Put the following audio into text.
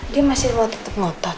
dia masih tetap ngotot